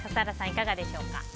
いかがでしょうか？